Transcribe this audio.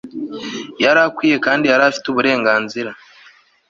yari akwiye kandi yari afite uburenganzira